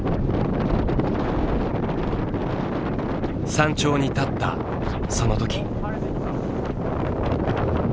山頂に立ったそのとき。